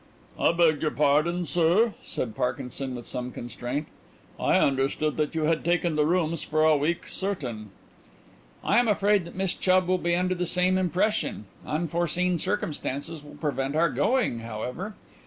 "I beg your pardon, sir," said Parkinson, with some constraint. "I understood that you had taken the rooms for a week certain." "I am afraid that Miss Chubb will be under the same impression. Unforeseen circumstances will prevent our going, however.